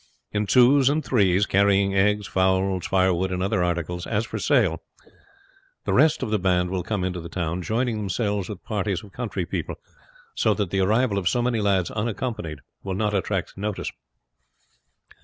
In twos and threes, carrying eggs, fowls, firewood, and other articles, as for sale, the rest of the band will come into the town, joining themselves with parties of country people, so that the arrival of so many lads unaccompanied will not attract notice.